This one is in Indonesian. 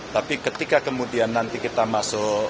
tapi ketika kemudian nanti kita masuk